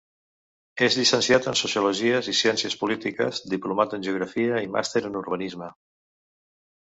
És llicenciat en sociologia i ciències polítiques, diplomat en Geografia i màster en Urbanisme.